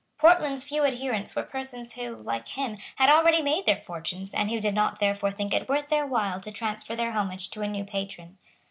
Portland's few adherents were persons who, like him, had already made their fortunes, and who did not therefore think it worth their while to transfer their homage to a new patron.